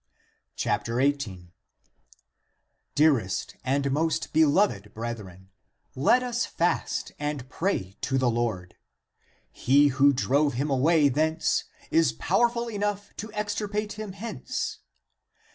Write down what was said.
18. " Dearest and most beloved brethren, let us fast and pray to the Lord. He who drove him away thence is powerful enough to extirpate him hence.